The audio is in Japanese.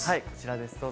こちらです。